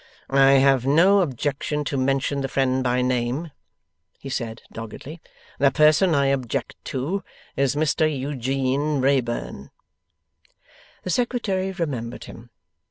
'I have no objection to mention the friend by name,' he said, doggedly. 'The person I object to, is Mr Eugene Wrayburn.' The Secretary remembered him.